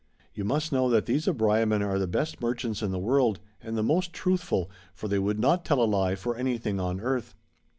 299 You must know that these Abraiaman are the best merchants in the world, and the most truthful, for they would not tell a lie for anything on earth.